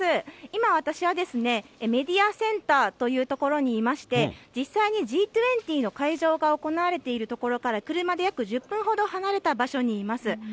今、私はですね、メディアセンターという所にいまして、実際にＧ２０の会場が行われている所から車で約１０分ほど離れた場所にいます。